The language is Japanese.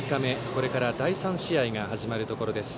これから第３試合が始まるところです。